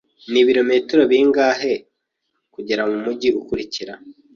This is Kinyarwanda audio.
Nibirometero bingahe kugera mumujyi ukurikira?